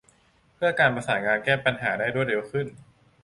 เพื่อการประสานงานแก้ปัญหาได้รวดเร็วขึ้น